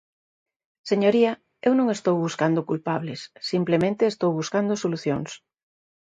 Señoría, eu non estou buscando culpables, simplemente estou buscando solucións.